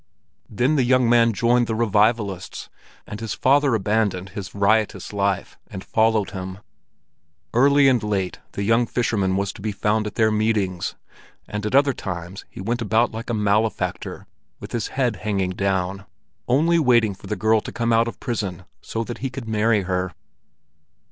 Then the young man joined the Revivalists, and his father abandoned his riotous life and followed him. Early and late the young fisherman was to be found at their meetings, and at other times he went about like a malefactor with his head hanging down, only waiting for the girl to come out of prison, so that he could marry her.